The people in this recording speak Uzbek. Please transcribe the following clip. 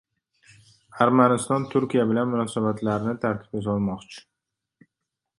Armaniston Turkiya bilan munosabatlarni tartibga solmoqchi